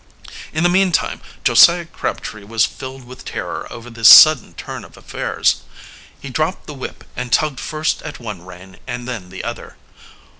In the meantime Josiah Crabtree was filled with terror over the sudden turn of affairs. He dropped the whip and tugged first at one rein and then the other.